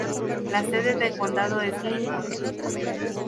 La sede de condado es Lincoln.